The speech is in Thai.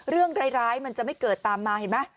เรื่องร้ายมันจะไม่เกิดตามมาเห็นไหม